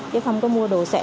chứ không có mua đồ sẻ